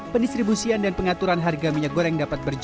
pendistribusian dan pengaturan harga minyak goreng dapat berjalan